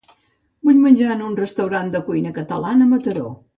Vull menjar en un restaurant de cuina catalana a Mataró.